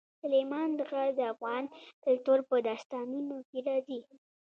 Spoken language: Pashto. سلیمان غر د افغان کلتور په داستانونو کې راځي.